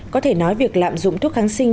có thể nói việc lạm dụng thuốc kháng sinh